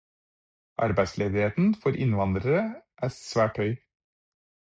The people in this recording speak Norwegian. Arbeidsledigheten for innvandrere er svært høy.